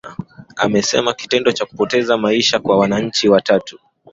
amesema kitendo cha kupoteza maisha kwa wananchi watatu